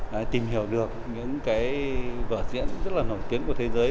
để tìm hiểu được những cái vở diễn rất là nổi tiếng của thế giới